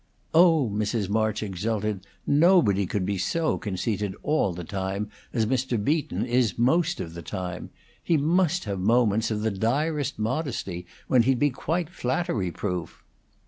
"Oh!" Mrs. March exulted, "nobody could be so conceited all the time as Mr. Beaton is most of the time. He must have moments of the direst modesty, when he'd be quite flattery proof."